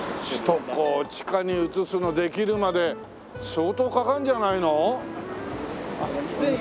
首都高を地下に移すのできるまで相当かかるんじゃないの？